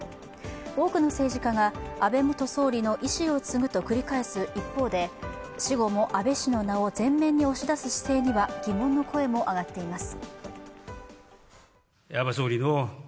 多くの政治家が安倍元総理の遺志を継ぐと繰り返す一方で、死後も安倍氏の名を前面に押し出す姿勢には疑問の声も上がっています。